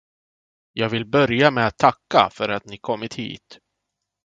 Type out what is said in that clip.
Jag vill börja med att tacka för att ni kommit hit.